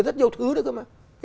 rất nhiều thứ nữa